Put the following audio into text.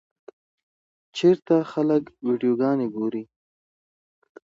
چېرته خلک ویډیوګانې ګوري؟